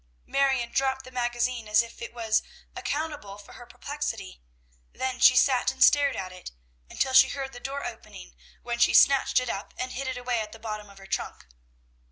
Marion dropped the magazine as if it was accountable for her perplexity; then she sat and stared at it, until she heard the door opening, when she snatched it up, and hid it away at the bottom of her trunk.